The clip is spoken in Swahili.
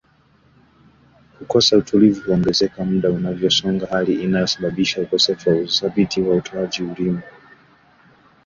Kukosa utulivu huongezeka muda unavyosonga hali inayosababisha ukosefu wa uthabiti wa utoaji ulimi